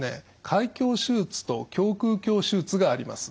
開胸手術と胸腔鏡手術があります。